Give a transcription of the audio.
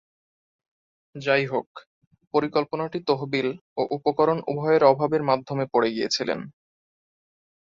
যাইহোক, পরিকল্পনাটি তহবিল ও উপকরণ উভয়ের অভাবে মাধ্যমে পড়ে গিয়েছিলেন।